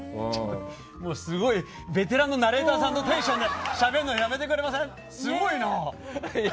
もうすごいベテランのナレーターさんのテンションでしゃべるのやめてくれません？